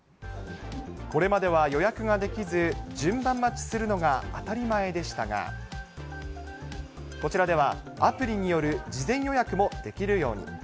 これまでは予約ができず、順番待ちするのが当たり前でしたが、こちらでは、アプリによる事前予約もできるように。